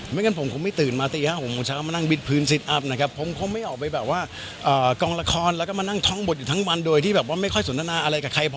ไม่จริงครับมันจริงเพราะเราตกลงออกไปทุกอย่างแล้วและรับประกัน๑๐๐๐เลยครับ